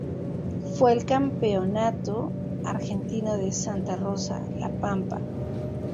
Fue en el Campeonato Argentino de Santa Rosa, La Pampa.